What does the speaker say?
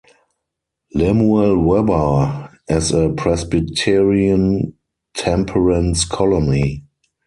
Lemuel Webber as a Presbyterian temperance colony.